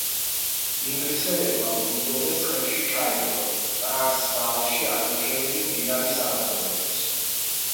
ინგლისელებმა მოინდომეს ხელში ჩაეგდოთ ტრანსვაალში აღმოჩენილი მდიდარი საბადოებიც.